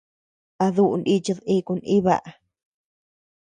¿A duʼu nichid iku nʼiba?